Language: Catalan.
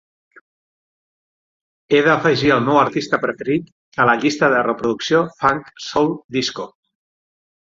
He d'afegir el meu artista preferit a la llista de reproducció funk soul disco.